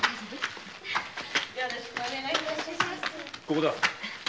ここだ。